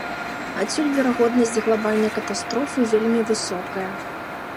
Адсюль верагоднасць глабальнай катастрофы вельмі высокая.